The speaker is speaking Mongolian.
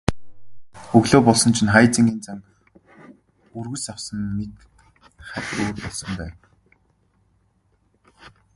Өглөө болсон чинь Хайнзангийн зан өргөс авсан мэт хахь өөр болсон байв.